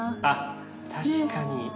あ確かに。